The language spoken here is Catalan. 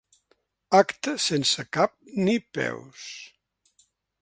Acte sense cap ni peus.